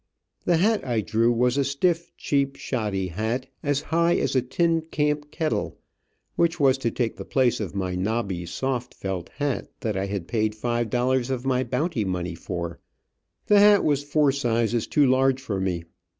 The hat I drew was a stiff, cheap, shoddy hat, as high as a tin camp kettle, which was to take the place of my nobby, soft felt hat that I had paid five dollars of my bounty money for. The hat was four sizes too large for me.